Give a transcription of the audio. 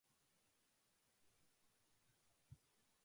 私は幸せです